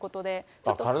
ちょっと。